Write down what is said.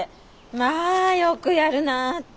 まあよくやるなあって。